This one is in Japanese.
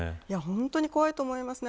本当に怖いと思いますね。